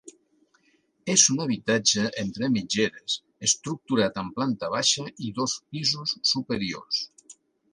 És un habitatge entre mitgeres estructurat en planta baixa i dos pisos superiors.